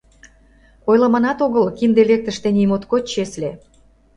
Ойлыманат огыл, кинде лектыш тений моткоч чесле.